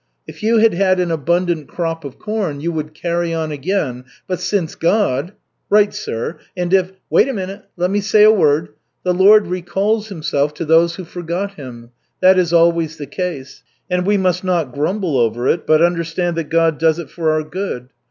If you had had an abundant crop of corn, you would carry on again, but since God " "Right, sir, and if " "Wait a minute. Let me say a word. The Lord recalls Himself to those who forgot Him. That is always the case. And we must not grumble over it, but understand that God does it for our good.